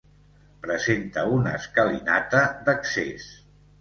Presenta una escalinata d'accés.